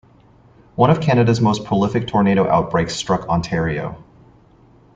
One of Canada's most prolific tornado outbreaks struck Ontario.